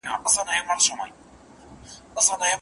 د غیر صحیح نکاح کوم ډولونه باطل او فاسد دي؟